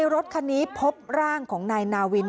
รถคันนี้พบร่างของนายนาวิน